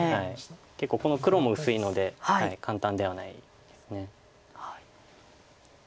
結構この黒も薄いので簡単ではないです。